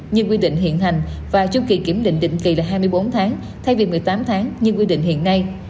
như quy định hiện hành và chu kỳ kiểm định định kỳ là hai mươi bốn tháng thay vì một mươi tám tháng như quy định hiện nay